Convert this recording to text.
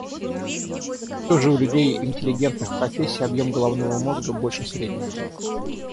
Все же у людей интеллигентных профессий объем головного мозга больше среднего.